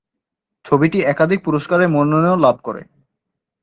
ছবিটি একাধিক পুরস্কারের মনোনয়ন লাভ করে।